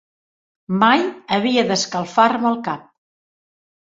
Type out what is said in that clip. Mai havia d'escalfar-me el cap.